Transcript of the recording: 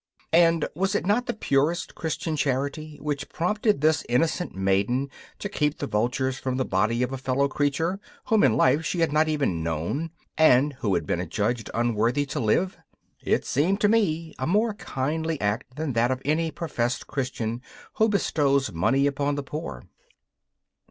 And was it not the purest Christian charity which prompted this innocent maiden to keep the vultures from the body of a fellow creature whom in life she had not even known and who had been adjudged unworthy to live? It seemed to me a more kindly act than that of any professed Christian who bestows money upon the poor.